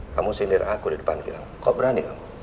kamu sindir aku di depan kita kok berani kamu